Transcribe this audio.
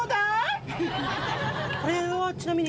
これはちなみに。